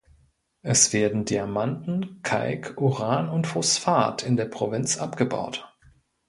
Es werden Diamanten, Kalk, Uran und Phosphat in der Provinz abgebaut.